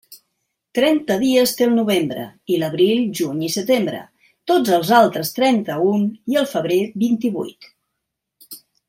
Trenta dies té el novembre, i l'abril, juny i setembre; tots els altres trenta-un i el febrer vint-i-vuit.